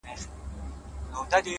نیک عمل تر خبرو ډېر اغېز لري!